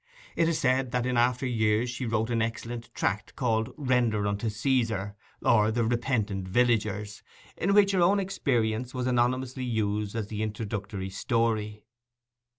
It is said that in after years she wrote an excellent tract called Render unto Caesar; or, The Repentant Villagers, in which her own experience was anonymously used as the introductory story.